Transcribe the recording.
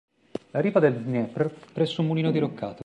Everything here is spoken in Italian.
La riva del Dnepr presso un mulino diroccato.